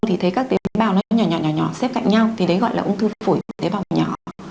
thì thấy các tế bào nó nhỏ nhỏ xếp cạnh nhau thì đấy gọi là ung thư phổi tế bào nhỏ